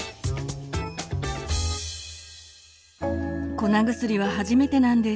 粉薬は初めてなんです。